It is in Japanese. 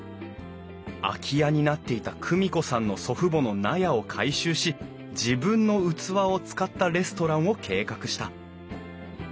空き家になっていた久美子さんの祖父母の納屋を改修し自分の器を使ったレストランを計画した。